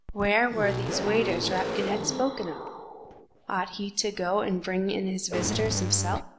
Where were these waiters Rapkin had spoken of? Ought he to go and bring in his visitors himself?